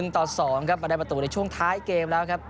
ต่อ๒ครับมาได้ประตูในช่วงท้ายเกมแล้วครับ